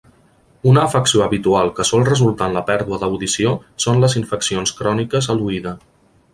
Una afecció habitual que sol resultar en la pèrdua d'audició són les infeccions cròniques a l'oïda.